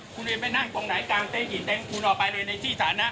คุณจะไปนั่งตรงไหนกลางเต็นกี่เต็นต์คุณออกไปเลยในที่ฐานะ